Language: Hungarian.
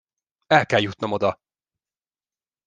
El kell jutnom oda!